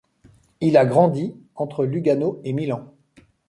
Il a grandi entre Lugano et Milan.